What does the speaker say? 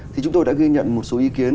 thì chúng tôi đã ghi nhận một số ý kiến